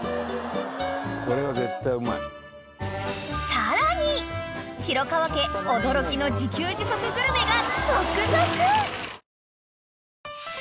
［さらに廣川家驚きの自給自足グルメが続々］